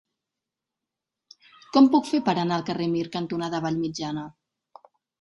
Com ho puc fer per anar al carrer Mir cantonada Vallmitjana?